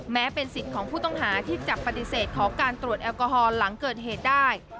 แม้เป็นสิทธิ์ของผู้ต้องหาที่จะปฏิเสธขอการตรวจแอลกอฮอลหลังเกิดเหตุได้